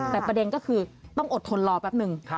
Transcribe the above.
แต่ประเด็นก็คือต้องอดทนรอแป๊บนึง